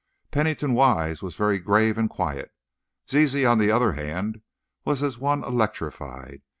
Pennington Wise was very grave and quiet; Zizi, on the other hand, was as one electrified.